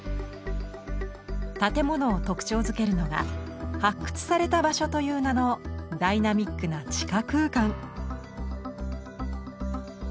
建物を特徴づけるのが「発掘された場所」という名のダイナミックな地下空間。